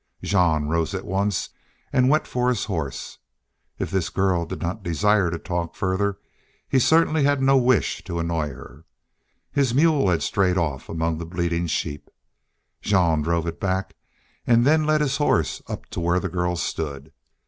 Jean rose at once and went for his horse. If this girl did not desire to talk further he certainly had no wish to annoy her. His mule had strayed off among the bleating sheep. Jean drove it back and then led his horse up to where the girl stood.